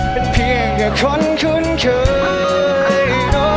เป็นเพียงแค่คนชุนเฉย